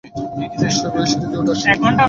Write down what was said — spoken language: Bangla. সে ভয়ে-ভয়ে সিঁড়ি দিয়ে উঠে আসছে।